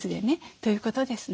ということですね。